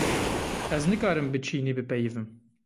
Ez nikarim bi çînî bipeyivim.